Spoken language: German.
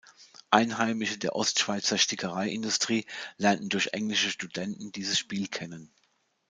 Einheimische der Ostschweizer Stickereiindustrie lernten durch englische Studenten dieses Spiel kennen.